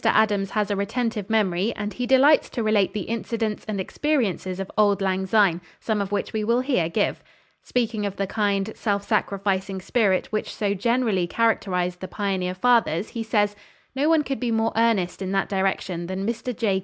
Adams has a retentive memory, and he delights to relate the incidents and experiences of "Auld Lang Syne," some of which we will here give. Speaking of the kind, self sacrificing spirit which so generally characterized the pioneer fathers, he says: "No one could be more earnest in that direction than Mr. J.